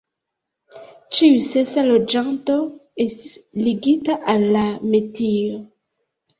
Ĉiu sesa loĝanto estis ligita al la metio.